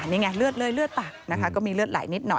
นี่ไงเลือดเลยเลือดตักนะคะก็มีเลือดไหลนิดหน่อย